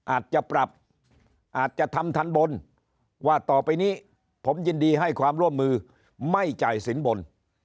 อาจจะปรับอาจจะทำทันบนว่าต่อไปนี้ผมยินดีให้ความร่วมมือไม่จ่ายสินบน